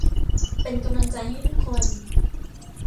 เป็นกำลังใจให้ทุกคน